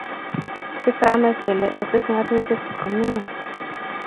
Kisame kelee oisib ngatutik komie